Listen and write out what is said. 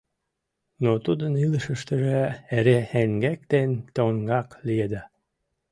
Но тудын илышыштыже эре эҥгек ден тоҥгак лиеда.